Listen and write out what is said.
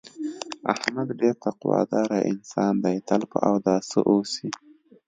احمد ډېر تقوا داره انسان دی، تل په اوداسه اوسي.